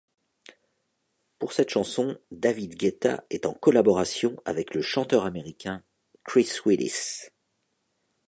Pour cette chanson, David Guetta est en collaboration avec le chanteur américain Chris Willis.